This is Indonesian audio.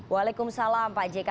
waalaikumsalam pak jk